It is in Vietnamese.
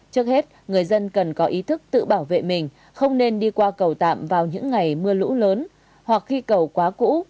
trước hết người dân cần có ý thức tự bảo vệ mình không nên đi qua cầu tạm vào những ngày mưa lũ lớn hoặc khi cầu quá cũ